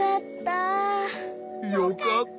よかった。